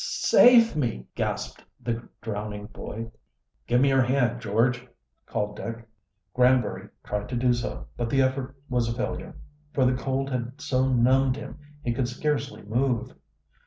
"Sa save me!" gasped the drowning boy. "Give me your hand, George," called Dick. Granbury tried to do so, but the effort was a failure, for the cold had so numbed him he could scarcely move.